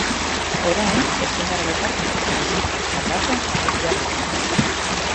Orain ezin gara lokartu eta bizitzak salbatzen jarraitu behar dugu.